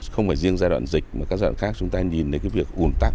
không phải riêng giai đoạn dịch mà các giai đoạn khác chúng ta nhìn đến việc ủn tạc